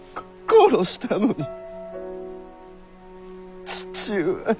殺したのに父上。